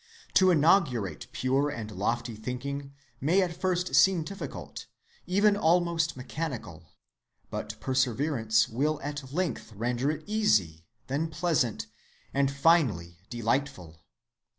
To inaugurate pure and lofty thinking may at first seem difficult, even almost mechanical, but perseverance will at length render it easy, then pleasant, and finally delightful.